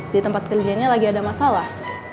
di tempat kerjanya lagi ada masalah